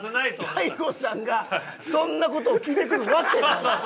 大悟さんがそんな事を聞いてくるわけない。